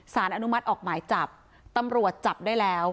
สารอนุมัติออกหมายจับตำรวจจับได้แล้ว